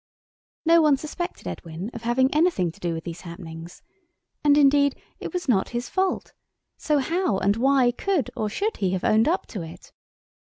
No one suspected Edwin of having anything to do with these happenings. And indeed, it was not his fault, so how and why could or should he have owned up to it?